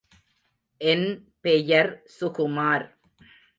என் பெயர் சுகுமார்.